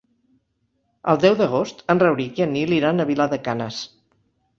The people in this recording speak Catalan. El deu d'agost en Rauric i en Nil iran a Vilar de Canes.